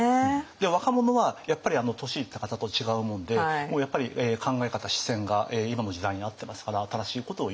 で若者はやっぱり年いった方と違うもんでもうやっぱり考え方視線が今の時代に合ってますから新しいことを言う。